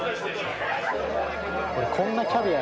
俺こんなキャビア